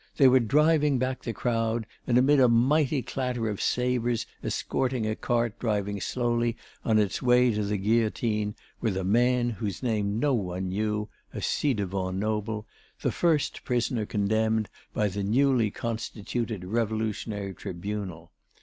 They were driving back the crowd, and amid a mighty clatter of sabres escorting a cart driving slowly on its way to the guillotine with a man whose name no one knew, a ci devant noble, the first prisoner condemned by the newly constituted Revolutionary Tribunal.